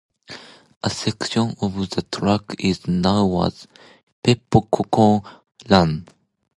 A section of the track is known as Peppercorn Lane.